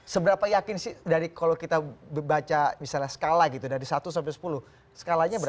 seberapa yakin sih dari kalau kita baca misalnya skala gitu dari satu sampai sepuluh skalanya berapa